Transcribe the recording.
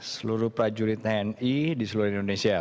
seluruh prajurit tni di seluruh indonesia